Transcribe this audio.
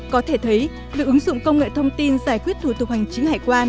có thể thấy việc ứng dụng công nghệ thông tin giải quyết thủ tục hành chính hải quan